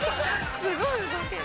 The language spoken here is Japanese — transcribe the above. すごい動ける。